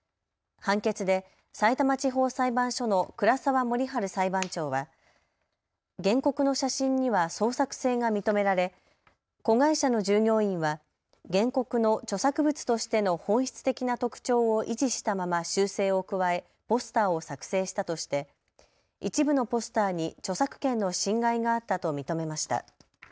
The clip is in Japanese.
判決でさいたま地方裁判所の倉澤守春裁判長は原告の写真には創作性が認められ子会社の従業員は原告の著作物としての本質的な特徴を維持したまま修正を加えポスターを作成したとして一部のポスターに著作権の侵害があったと認めました。